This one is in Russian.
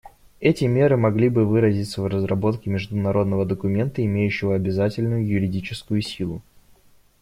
Эти меры могли бы выразиться в разработке международного документа, имеющего обязательную юридическую силу.